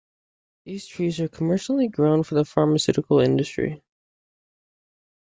These trees are commercially grown for the pharmaceutical industry.